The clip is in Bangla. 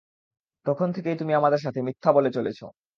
তখন থেকেই তুমি আমাদের সাথে মিথ্যা বলে চলেছ!